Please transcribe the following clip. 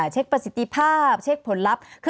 ประสิทธิภาพเช็คผลลัพธ์